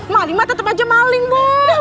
maling ma tetep aja maling buah